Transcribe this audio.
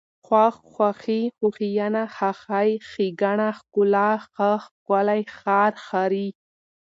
خوښ، خوښي، خوښېنه، خاښۍ، ښېګڼه، ښکلا، ښه، ښکلی، ښار، ښاري